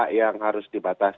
di mana bedak muncul bayi cari